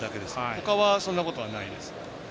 他は、そんなことはないです。